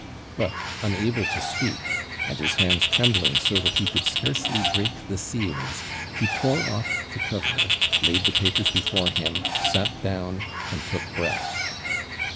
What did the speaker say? But, unable to speak, and his hands trembling so that he could scarcely break the seals, he tore off the cover, laid the papers before him, sat down, and took breath.